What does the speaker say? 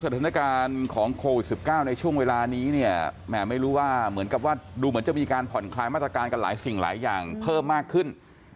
สถานการณ์ของโควิด๑๙ในช่วงเวลานี้เนี่ยแหมไม่รู้ว่าเหมือนกับว่าดูเหมือนจะมีการผ่อนคลายมาตรการกันหลายสิ่งหลายอย่างเพิ่มมากขึ้น